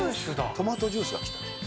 トマトジュースが来たんです。